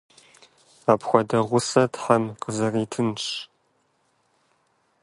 Апхуэдэ гъусэ Тхьэм къузэритынщ.